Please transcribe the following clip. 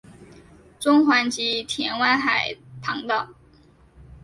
中环及田湾海旁道。